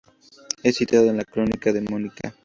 Es citado en la Crónica Demótica.